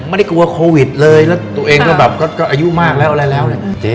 มันได้กลัวโควิดเลยตัวเองก็แบบที่อายุมากแล้ว